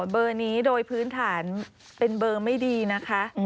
เบอร์นี้โดยพื้นฐานเป็นเบอร์ไม่ดีนะคะ